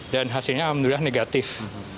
dan hasilnya alhamdulillah negatif